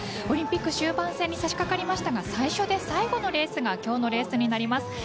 オリンピック終盤戦に差し掛かりましたが最初で最後のレースが今日のレースになります。